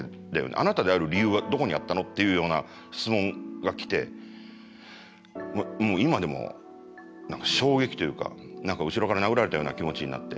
あなたである理由はどこにあったの？っていうような質問が来てもう今でも何か衝撃というか何か後ろから殴られたような気持ちになって。